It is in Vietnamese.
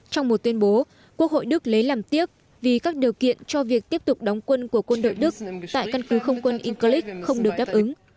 trong một tuyên bố quốc hội đức lấy làm tiếc vì các điều kiện cho việc tiếp tục đóng quân của quân đội đức tại căn cứ không quân incleak không được đáp ứng